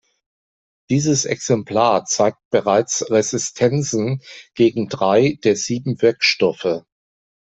Dieses Exemplar zeigt bereits Resistenzen gegen drei der sieben Wirkstoffe.